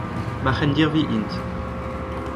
Ma c'hendirvi int.